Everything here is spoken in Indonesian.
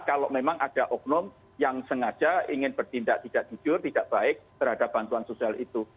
kalau memang ada oknum yang sengaja ingin bertindak tidak jujur tidak baik terhadap bantuan sosial itu